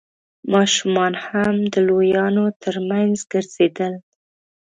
ماشومان هم د لويانو تر مينځ ګرځېدل.